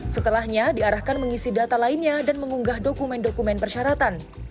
setelahnya diarahkan mengisi data lainnya dan mengunggah dokumen dokumen persyaratan